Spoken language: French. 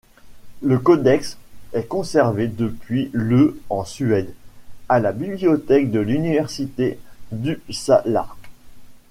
Le codex est conservé depuis le en Suède, à la bibliothèque de l'Université d'Uppsala.